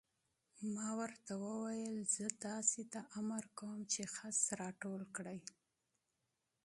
ما ورته وویل: زه تاسې ته امر کوم چې خس را ټول کړئ.